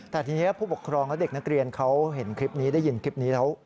แต่ทีนี้ผู้ปกครองและเด็กนักเรียนเขาเห็นคลิปนี้ได้ยินคลิปนี้แล้ว